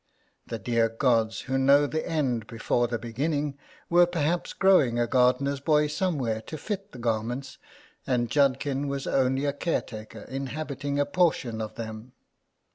The dear 44 JUDKIN OF THE PARCELS gods, who know the end before the beginning, were perhaps growing a gardener's boy some where to fit the garments, and Judkin was only a caretaker, inhabiting a portion of them.